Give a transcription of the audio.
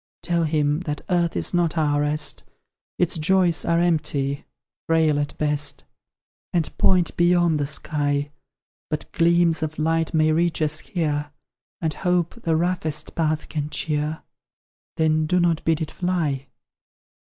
Tell him, that earth is not our rest; Its joys are empty frail at best; And point beyond the sky. But gleams of light may reach us here; And hope the ROUGHEST path can cheer: Then do not bid it fly!